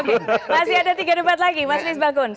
masih ada tiga debat lagi mas nisbah kun